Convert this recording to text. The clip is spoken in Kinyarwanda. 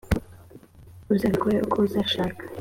uzabikore uko azashaka.